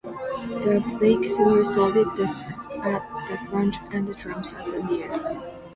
The brakes were solid discs at the front and drums at the rear.